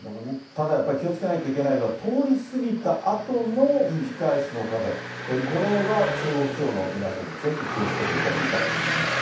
ただやっぱり気をつけなければいけないのは、通り過ぎたあとの吹き返しの風、これは中国地方の皆さん、ぜひ気をつけていただきたいと思います。